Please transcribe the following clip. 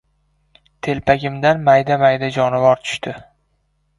Telpagimdan mayda-mayda jonivor tushdi.